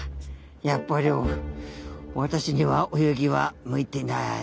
やっぱり私には泳ぎは向いてない。